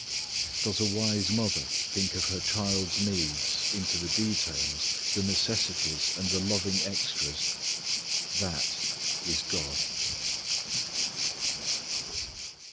Does a wise mother think of her child's needs into the details, the necessities and the loving extras? That is God.